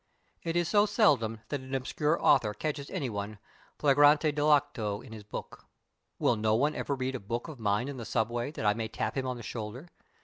It is so seldom that an obscure author catches anyone flagrante dilicto on his book. Will no one ever read a book of mine in the subway, that I may tap him on the shoulder?